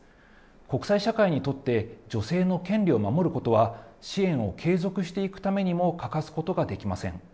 国際社会にとって、女性の権利を守ることは、支援を継続していくためにも欠かすことができません。